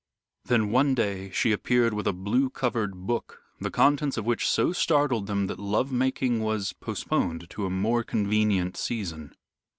Then one day, she appeared with a blue covered book, the contents of which so startled them that love making was postponed to a more convenient season.